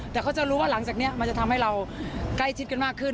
แต่เขาจะรู้ว่าหลังจากนี้มันจะทำให้เราใกล้ชิดกันมากขึ้น